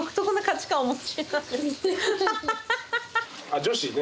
あっ女子ね。